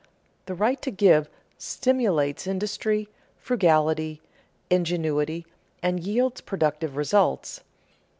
The right to give stimulates industry, frugality, ingenuity, and yields productive results.